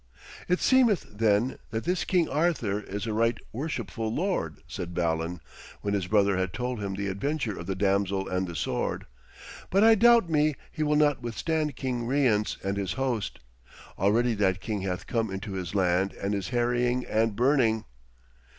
'It seemeth, then, that this King Arthur is a right worshipful lord,' said Balan, when his brother had told him the adventure of the damsel and the sword, 'but I doubt me he will not withstand King Rience and his host. Already that king hath come into this land and is harrying and burning.'